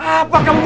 ayah bukan ketegak